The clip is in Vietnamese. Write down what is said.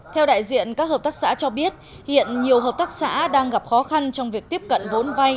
theo đại diện các hợp tác xã cho biết hiện nhiều hợp tác xã đang gặp khó khăn trong việc tiếp cận vốn vay